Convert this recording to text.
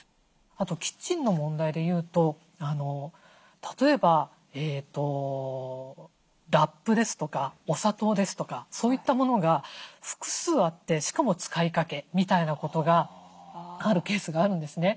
あとキッチンの問題でいうと例えばラップですとかお砂糖ですとかそういったものが複数あってしかも使いかけみたいなことがあるケースがあるんですね。